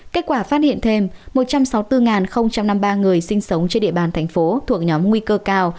kết quả phát hiện thêm một trăm sáu mươi bốn năm mươi ba người sinh sống trên địa bàn thành phố thuộc nhóm nguy cơ cao